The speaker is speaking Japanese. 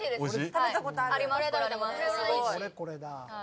食べたことある。